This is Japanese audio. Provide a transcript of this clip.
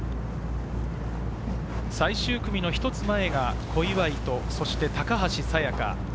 最終組の一つ前が小祝と高橋彩華。